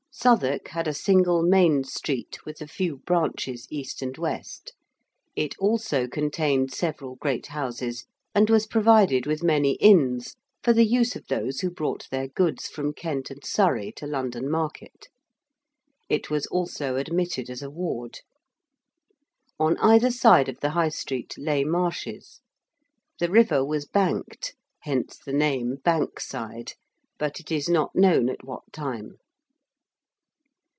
Southwark had a single main street with a few branches east and west: it also contained several great houses, and was provided with many Inns for the use of those who brought their goods from Kent and Surrey to London Market. It was also admitted as a ward. On either side of the High Street lay marshes. The river was banked hence the name Bank Side but it is not known at what time.